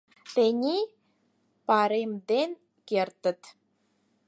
— Тений паремден кертыт.